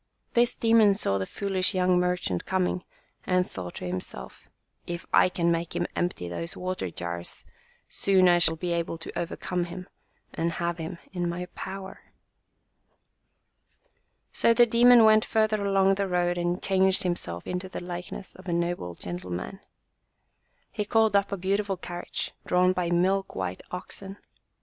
This demon saw the foolish young merchant coming and thought to himself, "If I can make him empty those water jars, soon I shall be able to over come him and have him in my power." 45 JATAKA TALES So the demon went further along the road and changed himself into the likeness of a noble gentle man. He called up a beautiful carriage, drawn by milk white oxen.